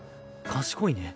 賢いね。